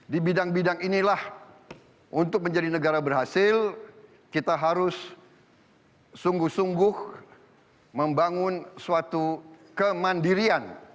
di bidang bidang inilah untuk menjadi negara berhasil kita harus sungguh sungguh membangun suatu kemandirian